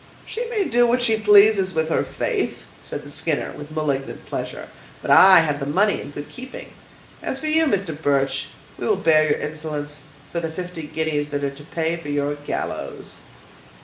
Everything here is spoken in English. "She may do what she pleases with her faith," said the Skinner, with malignant pleasure, "but I have the money in good keeping; as for you, Mr. Birch, we will bear your insolence, for the fifty guineas that are to pay for your gallows."